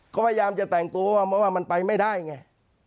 เขาพยายามจะแต่งตัวเพราะว่ามันไปไม่ได้ไง